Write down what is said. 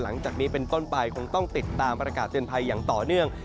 หลังจากนี้เป็นต้นไปคงต้องติดตามประกาศเตือนภัยอย่างต่อเนื่อง